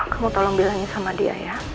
kamu tolong bilangin sama dia ya